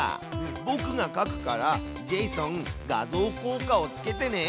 ぼくがかくからジェイソン画像効果をつけてね！